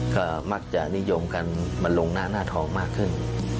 ก็มักจะนิยมกันมาลงหน้าหน้าทองมากขึ้น